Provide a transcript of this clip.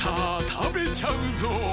たべちゃうぞ！